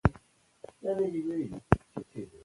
چې په دي نومونو كې دالهي حاكميت نوم تر ټولو زيات دقدر وړ دى